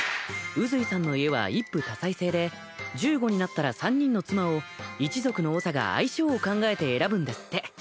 宇髄さんの家は一夫多妻制で１５になったら３人の妻を一族のおさが相性を考えて選ぶんですって。